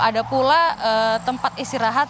ada pula tempat istirahat